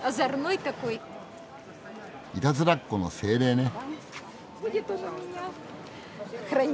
いたずらっ子の精霊ね。